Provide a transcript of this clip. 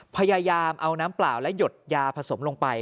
พยายามเอาน้ำเปล่าและหยดยาผสมลงไป